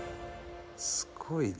すごいな」